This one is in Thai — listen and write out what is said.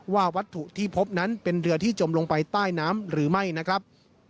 วัตถุที่พบนั้นเป็นเรือที่จมลงไปใต้น้ำหรือไม่นะครับ